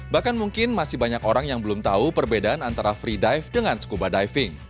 bahkan mungkin masih banyak orang yang belum tahu perbedaan antara free dive dengan skuba diving